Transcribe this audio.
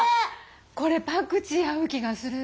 これパクチー合う気がする。